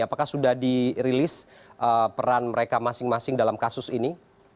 apakah sudah dirilis peran mereka masing masing dalam kasus ini